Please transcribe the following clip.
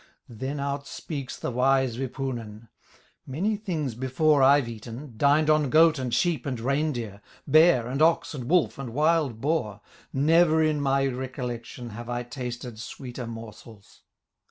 Then outspeaks the wise Wipunen: "Many things before I've eaten, Dined on goat, and sheep, and reindeer, Bear, and ox, and wolf, and wild boar, Never in my recollection, Have I tasted sweeter morsels!"